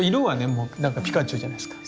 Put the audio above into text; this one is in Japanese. もうなんかピカチュウじゃないすか。